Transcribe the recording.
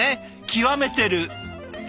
極めてる！